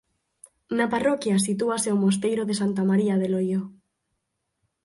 Na parroquia sitúase o mosteiro de Santa María de Loio.